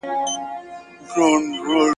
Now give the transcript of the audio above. پوهان د ټولني د پرمختګ لارښود دي.